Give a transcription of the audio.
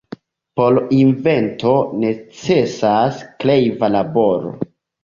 Por invento necesas kreiva laboro.